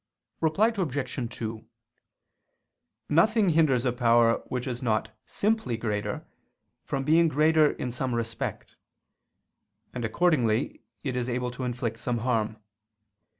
Reply Obj. 2: Nothing hinders a power which is not simply greater, from being greater in some respect: and accordingly it is able to inflict some harm.